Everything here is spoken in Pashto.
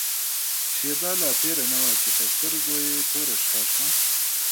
شېبه لا تېره نه وه چې په سترګو يې توره شپه شوه.